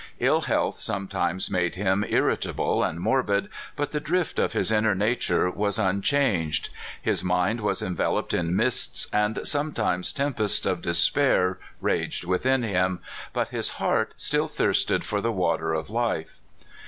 Ill health sometimes made him irritable and morbid, but the drift of his inner nature was unchanged. His mind was enveloped in mists, and sometimes tempests of despair raged within him; but his heart still thirsted for the water of life.